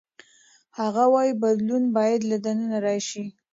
هغه وايي بدلون باید له دننه راشي.